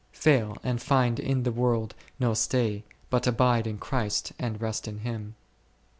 fail and find in the world no stay, but abide in Christ and rest in Him.